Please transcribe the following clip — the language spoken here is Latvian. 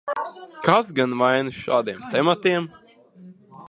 Kas gan vainas šādiem tematiem?